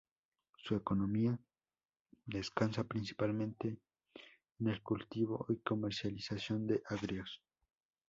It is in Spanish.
Su economía descansa principalmente en el cultivo y comercialización de agrios.